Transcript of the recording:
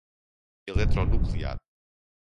Eletronuclear